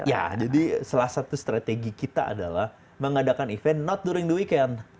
ya jadi salah satu strategi kita adalah mengadakan acara tidak pada waktu hujung minggu